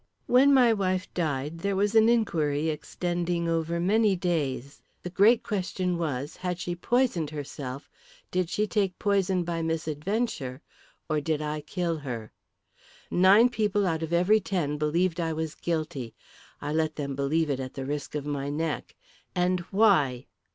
When my wife died there was an inquiry extending over many days. The great question was: Had she poisoned herself, did she take poison by misadventure, or did I kill her? Nine people out of every ten believed I was guilty. I let them believe it at the risk of my neck, and why?"